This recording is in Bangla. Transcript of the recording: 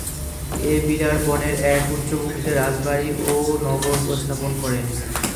এই বিরাট বনের এক উচ্চ ভূমিতে রাজবাড়ী ও নগর স্থাপন করেন।